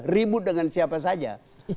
ribut dengan siapa saja